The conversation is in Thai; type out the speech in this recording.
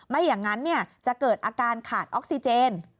ไม่อย่างนั้นจะเกิดอาการขาดออกซิเจน